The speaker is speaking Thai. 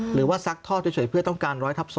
หรือว่าซักทอดเฉยเพื่อต้องการร้อยทับ๒